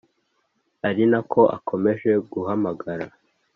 ari nako akomeje guhamagara